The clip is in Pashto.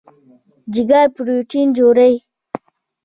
جګر پروټین جوړوي.